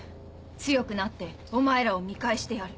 強くなってお前らを見返してやる。